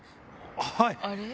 はい。